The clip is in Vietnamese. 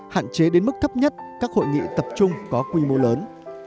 hạn chế đến mức thấp nhất các hội nghị tập trung có quy mô lớn